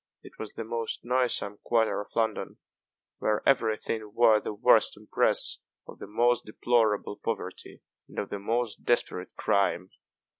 It was the most noisome quarter of London, where every thing wore the worst impress of the most deplorable poverty, and of the most desperate crime.